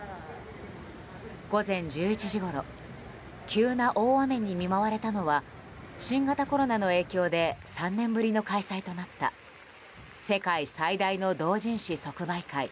午前１１時ごろ急な大雨に見舞われたのは新型コロナの影響で３年ぶりの開催となった世界最大の同人誌即売会